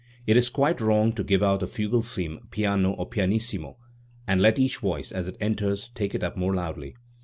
It is quite wrong to give out a fugal theme piano or pianissimo, and let eadh voice, as it enters, take it up more loudly.